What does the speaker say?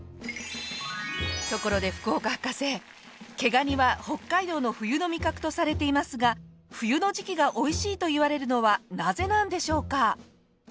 ところで福岡博士毛ガニは北海道の冬の味覚とされていますが冬の時期がおいしいといわれるのはなぜなんでしょうか？